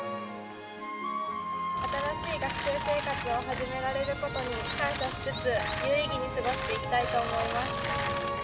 新しい学生生活を始められることに感謝しつつ、有意義に過ごしていきたいと思います。